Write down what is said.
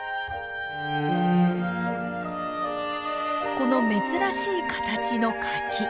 この珍しい形の柿。